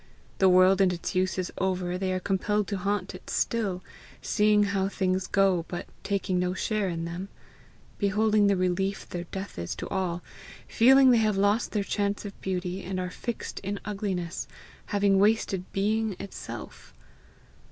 The world and its uses over, they are compelled to haunt it still, seeing how things go but taking no share in them beholding the relief their death is to all, feeling they have lost their chance of beauty, and are fixed in ugliness, having wasted being itself!